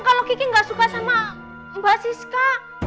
kalau kiki gak suka sama mbak siska